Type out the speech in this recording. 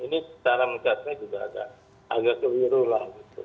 ini cara mecatnya juga agak keliru lah gitu